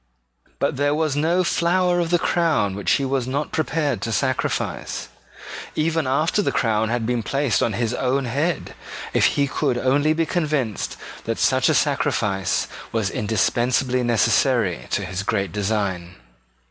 But there was no flower of the crown which he was not prepared to sacrifice, even after the crown had been placed on his own head, if he could only be convinced that such a sacrifice was indispensably necessary to his great design.